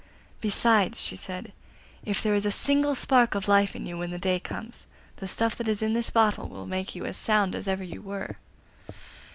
'Besides,' she said, 'if there is a single spark of life in you when the day comes, the stuff that is in this bottle will make you as sound as ever you were.